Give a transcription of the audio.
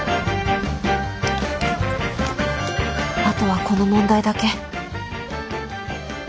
あとはこの問題だけ。